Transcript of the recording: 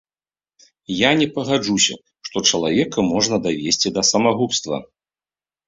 Я не пагаджуся, што чалавека можна давесці да самагубства.